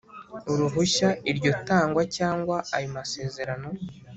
Uruhushya iryo tangwa cyangwa ayo masezerano